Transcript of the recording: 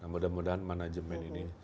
mudah mudahan manajemen ini